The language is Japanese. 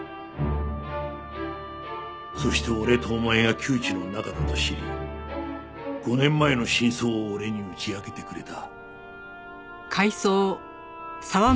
そして俺とお前が旧知の仲だと知り５年前の真相を俺に打ち明けてくれた。